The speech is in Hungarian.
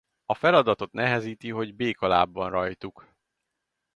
A feladatot nehezíti hogy béka láb van rajtuk.